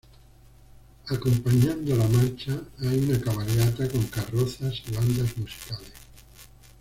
Acompañando a la marcha, hay una cabalgata con carrozas y bandas musicales.